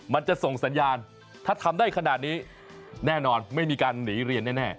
มันจะส่งสัญญาณถ้าทำได้ขนาดนี้แน่นอนไม่มีการหนีเรียนแน่